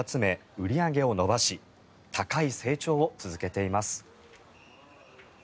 売り上げを伸ばし高い成長を続けています。